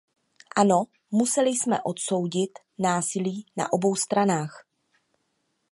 Ano, museli jsme odsoudit násilí na obou stranách.